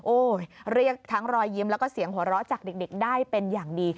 เรียกทั้งรอยยิ้มแล้วก็เสียงหัวเราะจากเด็กได้เป็นอย่างดี